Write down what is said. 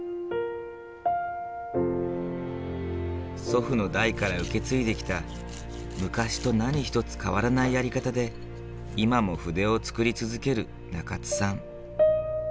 祖父の代から受け継いできた昔と何一つ変わらないやり方で今も筆を作り続ける中津さん。